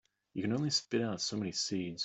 You can only spit out so many seeds.